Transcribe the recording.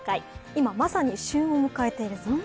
今、まさに旬を迎えています。